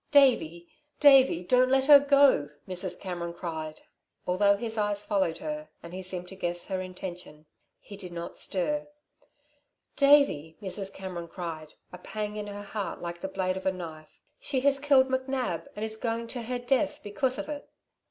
"Davey! Davey! Don't let her go," Mrs. Cameron cried. Although his eyes followed her, and he seemed to guess her intention, he did not stir. "Davey," Mrs. Cameron cried, a pang in her heart like the blade of a knife. "She has killed McNab, and is going to her death because of it."